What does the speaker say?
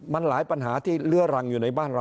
มันหลายปัญหาที่เลื้อรังอยู่ในบ้านเรา